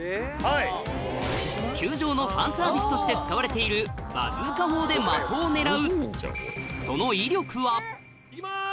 球場のファンサービスとして使われているバズーカ砲で的を狙う行きます！